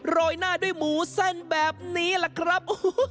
ยหน้าด้วยหมูเส้นแบบนี้ล่ะครับ